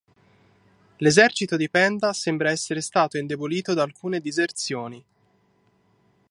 L'esercito di Penda sembra essere stato indebolito da alcune diserzioni.